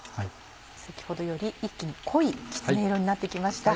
先ほどより一気に濃いきつね色になって来ました。